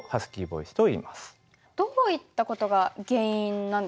どういったことが原因なんですか？